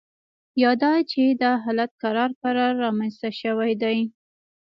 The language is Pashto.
یا دا چې دا حالت کرار کرار رامینځته شوی دی